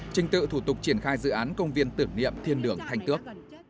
trình tự thủ tục triển khai dự án công viên tưởng niệm thiên đường thanh tước